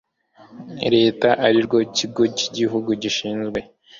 leta arirwo ikigo cy igihugu gishinzwe